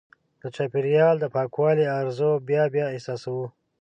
د چاپېریال د پاکوالي ارزو بیا بیا احساسوو.